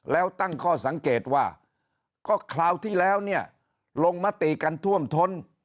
แล้วตั้งข้อสังเกตว่าก็คราวที่แล้วเนี่ยลงมติกันท่วมท้น